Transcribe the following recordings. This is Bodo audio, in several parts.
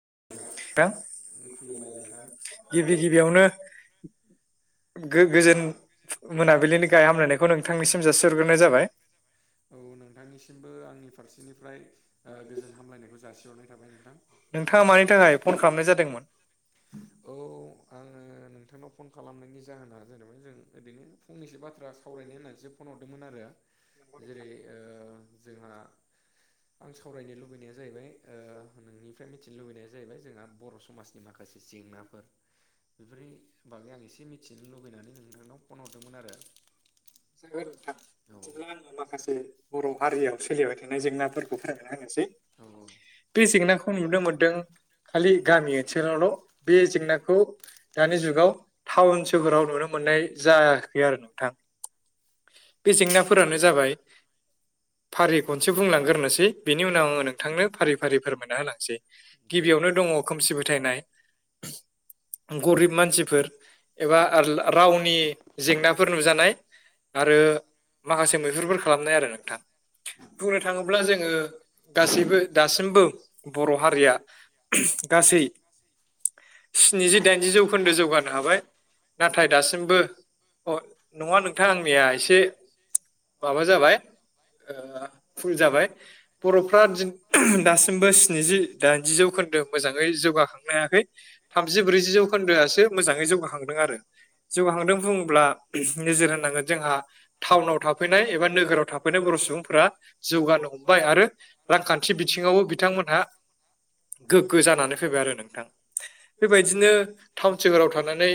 [inaudible] थां नोंथां खुलुमबाय नोंथां ओ गिबि गोजोन मोनाबिलिनि गाहाय हामलायनायखौ नोंथांनिसिम जासिहरग्रोनाय जाबाय। औ नोंथांनिसिमबो आंनि फारसेनिफ्राय गोजोन हामलायनायखौ जासिहरनाय थाबाय नोंथां। नोंथाङा मानि थाखाय फन खालामनाय जादोंमोन? औ आङो नोंथांनाव फन खालामनायनि जाहोना जादों जों ओरैनो फंनसो बाथ्रा सावरायनो होननानैसो फन हरदोंमोन आरो। जेरै ओ जोंहा आं सावरायनो लुबैनाया जाहैबाय ओ नोंनिफ्राय मिथिनो लुबैनाया जाहैबाय जोंहा बर समाजनि माखासे माखासे जेंनाफोर बेफोरनि बागै आं एसे मि मिथिनो लुबैनानै नोंथांनाव फन हरदोंमोन आरो। [unintelligible] नोंगौ नोंथां औ बिदिब्ला आंङो माखासे बर हारियाव सोलिबाय थानाय जेंनाफोरखौ फोरमायनानै होनो औ बे जेंनाखौ नुनो मोनदों। खालि गामि ओनसोलावल बे जेंनाखौ दानि जुगाव टाउन सोहोराव नुनो मोननाय जायाखै आरो नोंथां। बे जेंनाफोरानो जाबाय फारि खनसे बुंलांगोरनोसै बेनि उनाव आंङो नोंथांनो फारि फारि फोरमायना होलांसै। गिबि यावनो दंङ खोमसि दे फोथायनाय। [inaudible] गरिब मानसिफोर एबा रां रावनि जेंनाफोर नुजानाय। आरो माखासे मैहुरफोर खालामनाय आरो नोंथां। बुंनो थांङोब्ला जोंङो गासैबो दासिमबो बर हारिया गासै स्निजि दाइनजि जौखोन्दो जौगानाय हाबाय नाथाय दासिमबो नङा नोंथां आंनिया एसे माबा जाबाय ओ‌फुल जाबाय बरफ्रा दासिमबो स्निजि दाइनजि जौख जौखोनदो मोजांयै जौखांनो हायाखै थामजि ब्रैजि जौखोन्दोआसो मोजाङै जौगाखांदों आरो जौगाखांदों बुंङोब्ला नोजोर होनांगोन जोंहा थाउनाव था थाफैनाय एबा नोगोराव थाफैनाय बर सुबुंफोरा जौगानो हमबाय आरो रांखान्थि बिथिङावबो बिथांमोन थांमोनहा गोग्गो जानानै फैबाय आरो नोंथां बेबायदिनो जोहोराव थानानै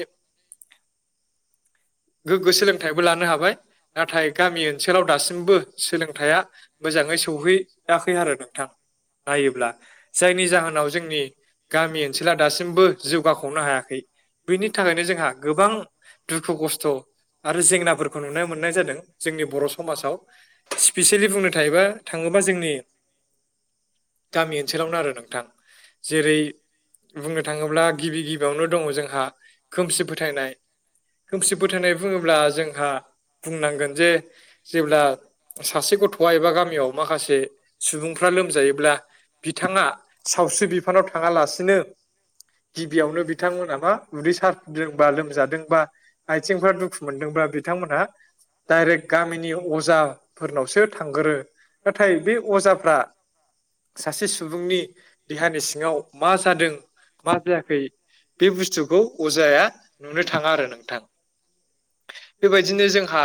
[inaudible] गोग्गो सोलोंथाइबो लानो हाबाय नाथाय गामि ओनसोलाव दासिमबो सोलोंथाइया मोजांङै सहैयाखै आरो नोंथां नायोब्ला जायनि जाहोनाव जोंनि गामि ओनसोला दासिमबो जौगाखांनो हायाखै बेनि थाखायनो जोंहा गोबां दुखु खस्थ आरो जेंनाफोरखौ नुनो मोननाय जादों जोंनि बर समाजाव सिपेसियेलि बुंनो थायोबा थाङोब आ जोंनि [inaudible] गामि ओनसोलावनो आरो नोंथां जेरै बुंनो थाङोब्ला गिबि गिबियावनो दङ जोंहा खोमसि फोथायनाय। खोमसि फोथायनाय बुङोब्ला जोंहा बुंनांगोन जे जेब्ला सासे गथ'आ एबा गामियाव माखासे सुबुंफ्रा लोमजायोब्ला बिथाङा सावस्रि बिफानाव थाङालासिनो गिबियावनो बिथांमोना मा उदै सारदोंबा लोमजादोंबा आथिंफ्रा दुखु मोनदोंबा बिथांमोनहा डाइरेक्ट गामिनि अजाफोरनावसो थांगोरो नाथाय बे अजाफ्रा सासे सुबुंनि देहानि सिङाव मा जादों मा जायाखै बे बुस्थु खौ अजाया नुनो थाङा आरो नोंथां बेबायदिनो जोंहा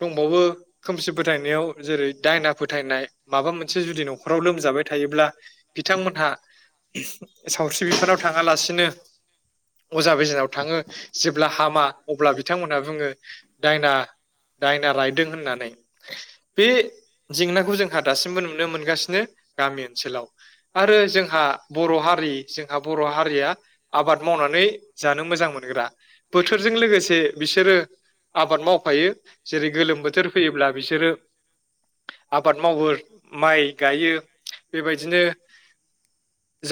दंबावो खोमसि फोथायनायाव जेरै दायना फोथायनाय माबा मोनसे जुदि न'खराव लोमजाबाय थायो ब्ला बिथांमोनहा सावस्रि बिफानाव थाङालासिनो अजा बेजनाव थाङो जेब्ला हामा अब्ला बिथांमोनहा बुङो दायना दायना रायदों होननानै। बे जेंनाखौ जोंहा दासिमबो नुनो मोनगासिनो गामि ओनसोलाव आरो जोंहा बर' हारि जोंहा बर' हारिया आबाद मावनानै जानो मोजां मोनग्रा बोथोरजों लोगोसे बिसोरो आबाद मावफायो जेरै गोलोम बोथोर फैयोब्ला बिसोरो आबाद मावो माइ गायो बेबायदिनो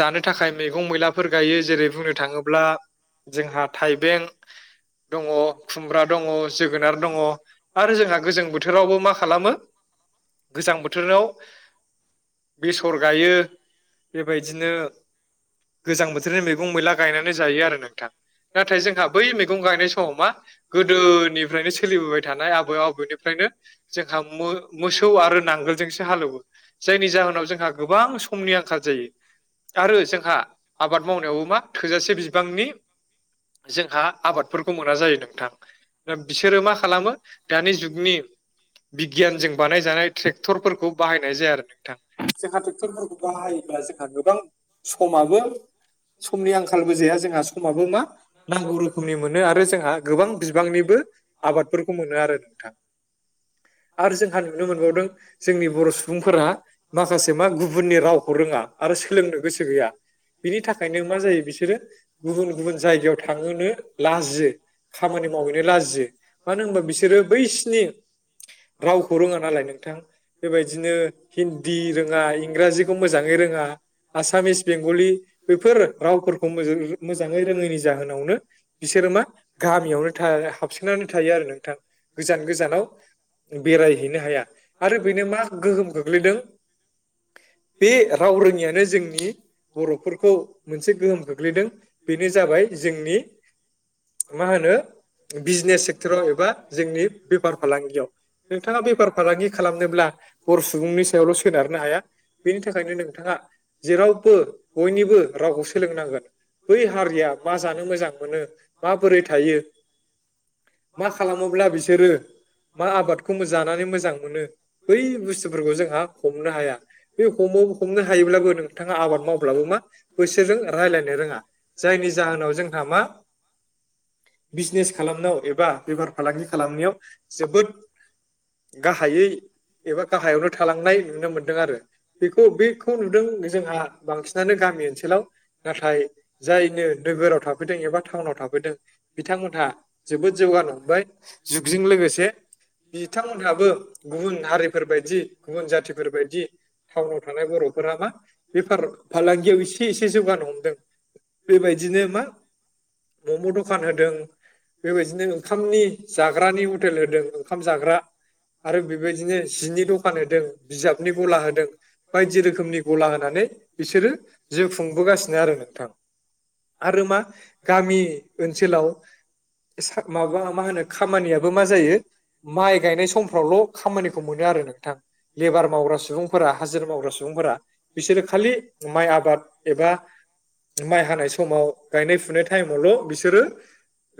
जानो थाखाय मैगं मैलाफोर गायो जेरै बुंनो थाङोब्ला जोंहा थाइबें दङ खुमब्रा दङ जोगोनार दङ आरो जोंहा गोजां बोथोरावबो मा खालामो गोजां बोथोराव बेसर गायो बेबायदिनो गोजां बोथोरनि मैगं मैला गायनानै जायो आरो नोंथां। नाथाय जोंहा बै मैगं गायनाय समा मा गोदोनिफ्रायनो सोलिबोबाय थानाय आबै आबौनिफ्रायनो। जोंहा मो मोसौ आरो नांगोलजोंसो हालेवो जायनि जा- उनाव जोंहा गोबां समनि आंखाल जायो। आरो जोंहा आबाद मावनायावबो मा थोजासे बिबांनि [inaudible] जोंहा आबादफोरखौ मोना जायो नोंथां दा बिसोरो मा खालामो दानि जुगनि बिगियानजों बानायजानाय ट्रेक्टरफोरखौ बाहायनाय जाया आरो नोंथां। जोंहा ट्रेक्टरफोरखौ बाहायोब्ला जोंहा गोबां समाबो समनि आंखालबो जाया जोंहा। समाबो मा नांगौ रोखोमनि मोनो आरो जोंहा गोबां बिबांनिबो आबादफोरखौ मोनो आरो। नोथां [inaudible] आरो जोंहा नुनो मोनबावदों जोंनि बर' सुबुंफोरा माखासे मा गुबुननि रावखौ रोङा। आरो सोलोंनो गोसो गैया बिनि थाखायनो मा जायो बिसोरो गुबुन गुबुन जायगायाव थांनोनो लाजियो। खामानि मावहैनो लाजियो मानो होनबा बिसोरो बैसिनि रावखौ रोङा नालाय नोंथां बेबायदिनो हिन्दी रोङा इंराजिखौ मोजाङै रोङा आसामिस बेंगलि बेफोर रावफोरखौ मोजां मोजाङै रोङैनि जाहोनावनो बिसोरो मा गामियावनो था हाबसोनानै थायो आरो नोंथां। गोजान गोजानाव बेरायहैनो हाया आरो बेनो मा गोहोम गोग्लैदों बे राव रोङियानो जोंनि बर'फोरखौ मोनसे गोहोम खोख्लैदों। बेनो जाबाय जोंनि मा होनो बिजनेस सेक्टराव एबा जोंनि बेफार फालांगियाव नोंथाङा बेफार फालांगि खालामनोब्ला बर' सुबुंनि सायावल' सोनारनो हाया। बेनि थाखायनो नोंथाङा जेरावबो बयनिबो रावखौ सोलोंनांगोन। बै हारिया मा जानो मोजां मोनो माबोरै थायो। मा खालामोब्ला बिसोरो मा आबादखौ जानानै मोजां मोनो बै बुस्थुफोरखौ जोंहा हमनो हाया बे हम हमनो हायोब्लाबो नोंथाङा आबाद मावब्लाबो मा बैसोरजों रायलायनो रोङा। जायनि जाहोनाव जोंहा मा। बिजनेस खालामनायाव एबा बेफार फालांगि खालामनायाव जोबोद गाहायै। एबा गाहायावनो थालांनाय नुनो मोनदों आरो बेखौ बेखौ नुदों जोंहा बांसिनानो गा गामि ओनसोलाव नाथाय जायनो नोगोराव थाफैदों एबा टाउनाव थाफैदों बिथांमोनहा जोबोद जौगालांबाय जुगजों लोगोसे बिथां बिथांमोनहाबो गुबुन हारिफोर बायदि गुबुन जाथिफोर बायदि टाउनाव थानाय बर'फोरा मा। बेफार फालांगियाव एसे एसे जौगानो हमदों बेबायदिनो मा। मम' दखान होदों। बेबायदिनो ओंखामनि जाग्रानि हटेल होदों ओंखाम जाग्रा। आरो बेबायदिनो जिनि दखान होदों बिजाबनि गला होदों बायदि रोखोमनि गला होनानै। बिसोरो जिउ खुंबोगासिनो आरो नोंथां। आरो मा गामि ओनसोलाव। माबा मा होनो खामानियाबो मा जायो माइ गायनाय समफ्रावल' खामानिखौ मोनो। आरो नोंथां। लेबार मावग्रा सुबुंफोरा हाजिरा मावग्रा सुबुंफोरा बिसोरो खालि माइ आबाद एबा [inaudible] माइ हानाय समाव गायनाय फुनाय टाइमावल' बिसोरो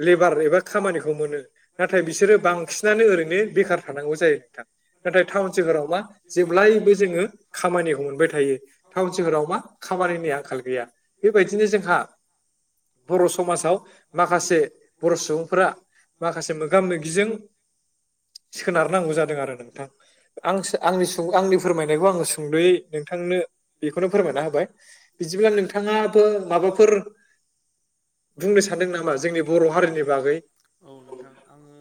लेबार एबा खामानिखौ मोनो नाथाय बिसोरो बांसिनानो ओरैनो बेखार थानांगौ जायो नों नाथाय टाउन सोहोराव मा जेब्लायबो जोङो खामानिखौ मोनबाय थायो टाउन सोहोराव मा। खामानिनि आंखाल गैया बेबायदिनो जोंहा [inaudible] बर' समाजाव माखासे बर' सुबुंफोरा माखासे मोगा मोगिजों [inaudible] सोनारनांगौ जादों आरो नोंथां आ आंनि आंनि फोरमायनायखौ आङो सुंद'यै नोंथांनो बेखौनो फोरमायना होबाय बिदिब्ला नोंथाङाबो माबाफोर! बुंनो सानदों नामा जोंनि बर' हारिनि बागै औ नोंथां [unintelligible] आङो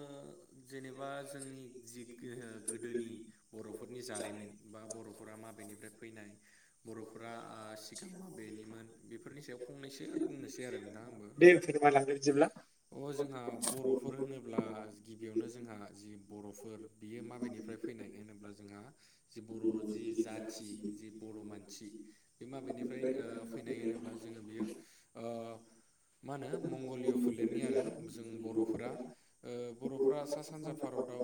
जेनेबा जोंनि जि ओ गोदोनि बर'फोरनि जारिमिन बा बर' माबेनिफ्राय फैनाय बर'फोरा ओ सिगां माबेनिमोन बेफोरनि सायाव फंनैसो बुंनोसै आरो। नोंथां आंबो दे फोरमायलांदो बिदिब्ला। अ जोंहा बर'फोर होनोब्ला गिबियावनो। जोंहा जि बर'फोर बियो माबेनिफ्राय फैनाय होनोब्ला जोंहा। जि बर' जि जाथि जि बर' मानसि बे माबेनिफ्राय ओ फैनाय होनोब्ला बियो ओ। मा होनो मंगलिय' फोलेरनि आरो जों बर'फोरा ओ बर'। फ्रा सा सानजा भारताव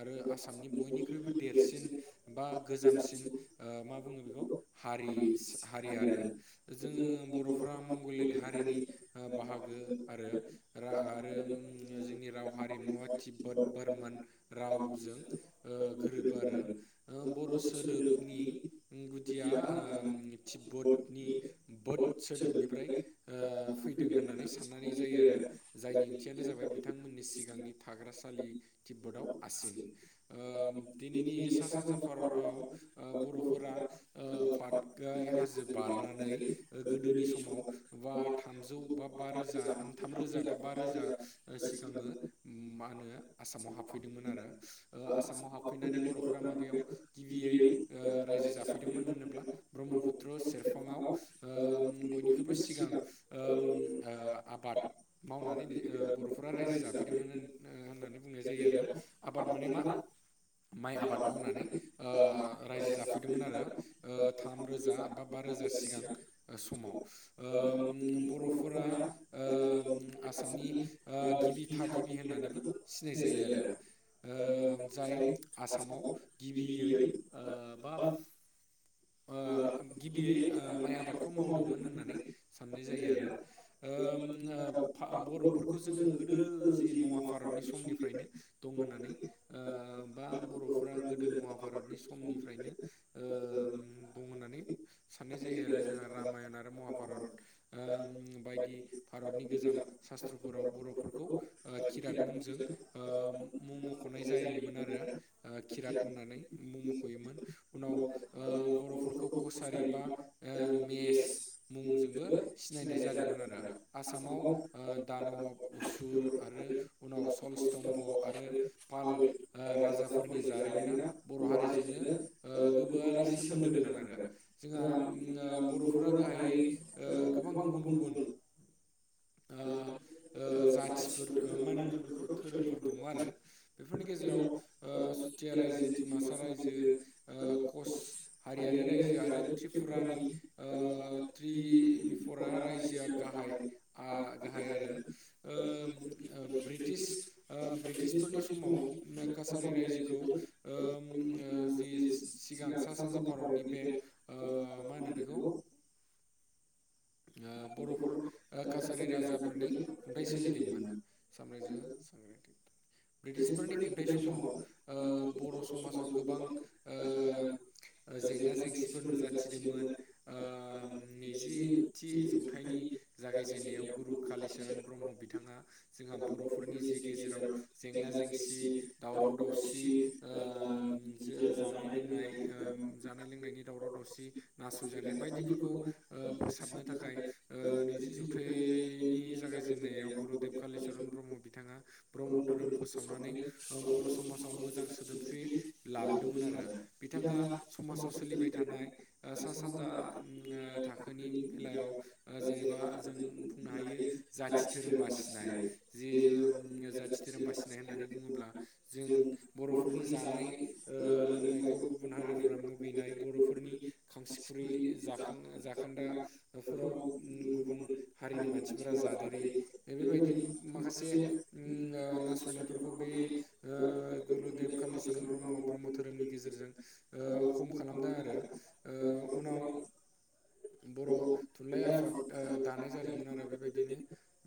आरो आसामनि बयनिख्रुइबो देरसिन बा गोजामसिन। ओ मा बुङो बेखौ हारि सि हारि आरो। जोङो बर'फोरा मंगलियान हारिनि ओ बाहागो। आरो आरो जोंनि राव हारिमुवा तिब्बद बोरमान राव। ओ गोरोबो आरो ओ बर' सोदोबनि गुदिया आ। तिब्बतनि बद सोदोबनिफ्राय ओ फैदों होननानै सा ननानै जायो आरो जायनि ओंथियानो जाबाय बिथांमोननि सिगांनि थाग्रासालि तिब्बतआव आसि चिन। ओ दिनैनि सा सानजा भारताव ओ बर'फोरा ओ पा तकाइ हाजो बारनानै गोदोनि समाव बा थामजौ बा। बा रोजा थाम रोजा बा बा रोजा सिगाङो मा होनो आसामाव हाबफैदोंमोन। आरो ओ आसामाव हाबफैनानै बर'फोरा माबेयाव गिबियै ओ रायजो जाफैदोंमोन। होनब्ला ब्रह्मपुत्र सेरफाङाआव ओ बयनिख्रुबो सिगां ओ। आबाद [unintelligible] मावनानै ओ बर'फोरा रायजो जाफैदोंमोन होननानै बुंनाय जायो आरो आबाद माने मा। माइ आबाद मावनानै ओ रायजो जाफैदोंमोन आरो ओ थामरोजा बा बा। रोजा सिगां समाव ओ बर'फोरा ओ। उम आसामनि ओ गिबि थागिबि होननानैबो सिनायजायो आरो। ओ जाय आसामाव गिबियै ओ बा। ओ गिबियै ओ माइ आबादखौ मावदोंमोन होननानै साननाय जायो आरो। ओ बर'फोरखौ जोङो गोदो जि महाभारतनि समनिफ्रायनो। दं होननानै ओ बा बर'फोरा गोदो महाभारतनि समनिफ्रायनो ओ ओ दं होननानै साननाय जायो आरो जोंहा रामायण आरो महाभारत ओ‌ बायदि भारतनि गोजाम सास्त्रफोराव बर'फोरखौ खिरात मुंजों। मुं मख'नाय जायोमोन आरो ओ खिरात होननानै मुं मख'योमोन उनाव। ओ बर'फोरखौ कसारि बा मेस मुंजोंबो सिनायनाय जादों। मोन आरो आसामाव ओ दानब उसुर आरो उनाव सलस्तम्भ'। आरो पाल राजाफोरनि जारिमिना बर' हारिजोंनो ओ गोबा रै सोमोनदो गोनां आरो जोंहा उम ओ बर'फोरा गाहायै ओ गोबां गुबन गुबन। गल [unintelligible] औ [unintelligible] ओ जाथिफोर मा होनोमोन बेखौ धोरोमफोर दङ' आरो बेफोरनि गेजेराव ओ चुथिया रायजो डिमासा रायजो ओ कच हारियारि रायजो आरो त्रिपुरानि। ओ त्रिपुरा राय जोआ गाहाय आ गाहाय आरो ओ ब्रिटिश ओ ब्रिटिसफोरनि समाव कासारि रायजोखौ ओ ओम जि सिगां। सा सानजा भारतनि बे ओ मा होनो बेखौ ओ बर'फोर ओ कासारि राजाफोरनि खुंथाइ सोलिदोंमोन। सामराज्योया। ब्रिटिसफोरनि खुंथाय समाव ओ बर' समाजाव गोबां ओ। जेंना जेंसिफोर नुजाथिदोंमोन ओ नैजिथि जौ थायनि जागायजेननायाव गुरु कालिचरन ब्रह्म बिथाङा जोंहा बर'फोरनि जि गेजेराव। जेंना जेंसि दावराव दावसि ओ जानाय लोंनाय। ओ जानाय लोंनायनि दावराव दावसि नासयजानाय बायदिफोरखौ ओ फोसाबनो थाखाय। ओ औ। नैजि जौथायनि जागायजेननायाव गुरुदेब कालिचरन ब्रह्म बिथाङा ब्रह्म धोरोम फोसा [unintelligible] बर' समाजाव मोजां सोदोमस्रि लाबोदोंमोन आरो बिथाङा सम साव सोलिबाय थानाय ओ सा सानजा उम थाखोनि बेलायाव। ओ जेनेबा जों बुंनो हायो जाथि धोरोम बासिनाय जि जोम जाथि। धोरोम बासिनाय होननानै बुङोब्ला जों बर'फोरनि जानाय ओ लोंनायखौ गुबुन हारि। बुरैफ्रा मुगैनाय बर'फोरनि खांसिखुरै जाखां-जाखोन्दा फोराव। [unintelligible] गुबुन हारिनि मानसिफोरा जादेरि बेबायदि माखासे उम ओ नासयनाय। बेफोरखौ बे ओ गुरुदेब कालिचरन ब्रम्ह-ब्रम्ह धोरनि गेजेरजों ओ ख खालामदों आरो ओ उनाव बर' थुनलाइ आफाद। हट ओ दानाय जादोंमोन आरो बेबायदिनो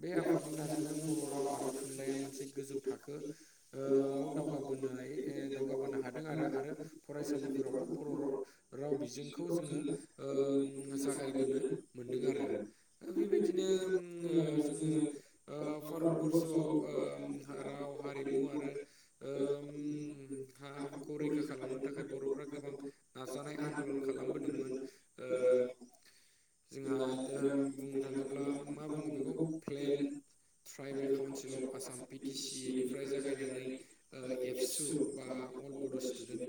बे आफादनि नाजानायाव बर' राव आरो थुनलाइया मोनसे। गोजौ थाखो ओआव दावगाबोनाय ए दावगाबोनो हादों आरो आरो फरायसालि। फोरावबो बर' राव-राव बिजोंखौ जोङो ओं जागायबोनो मोनदों आरो। [unintelligible] बेबायदिनो उम ओ जोङो ओ भारत बरर्सआव ओम हा राव हा हारिमु आरो ओम हा हुखौ रैखा खालामनो थाखाय बर'फ्रा गोबां नाजानाय आन्दलन खालामबोदोंमोन ओ जोंहा दा आं बुंनो थाङोब्ला मा बुङो बेखौ plan. Tribal council of Assam B T C ए निफ्राय जागायनानै ओ एबसु बा आ अल बड' स्टुडेन्ट